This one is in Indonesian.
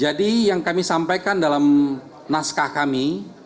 jadi yang kami sampaikan dalam naskah kami